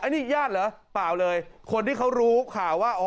นี่ญาติเหรอเปล่าเลยคนที่เขารู้ข่าวว่า